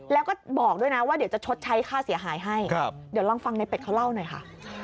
แล้วก็บอกด้วยนะว่าเดี๋ยวจะชดใช้ค่าเสียหายให้เดี๋ยวลองฟังในเป็ดเขาเล่าหน่อยค่ะ